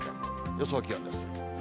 予想気温です。